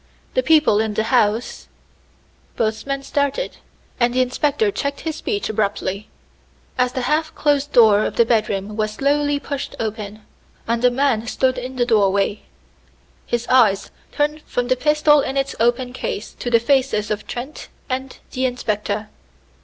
The people in the house " Both men started, and the inspector checked his speech abruptly, as the half closed door of the bedroom was slowly pushed open, and a man stood in the doorway. His eyes turned from the pistol in its open case to the faces of Trent and the inspector.